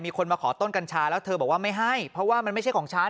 มีคนมาขอต้นกัญชาแล้วเธอบอกว่าไม่ให้เพราะว่ามันไม่ใช่ของฉัน